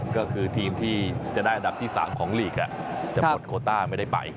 ก็คือทีมที่จะได้อันดับที่๓ของลีกจะหมดโคต้าไม่ได้ไป